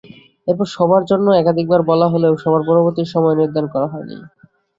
এরপর সভার জন্য একাধিকবার বলা হলেও সভার পরবর্তী সময়ও নির্ধারণ করা হয়নি।